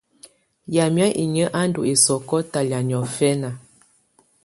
Yamɛ̀á inyǝ́ á ndù ɛsɔ̀kɔ̀ talakɛ̀á niɔ̀fɛ̀na.